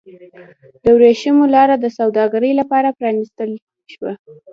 د ورېښمو لاره د سوداګرۍ لپاره پرانیستل شوه.